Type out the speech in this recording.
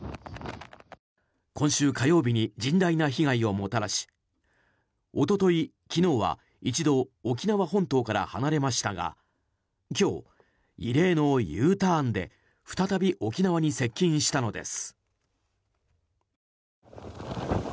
今週火曜日に甚大な被害をもたらし一昨日、昨日は一度、沖縄本島から離れましたが今日、異例のＵターンで再び沖縄に接近したのです。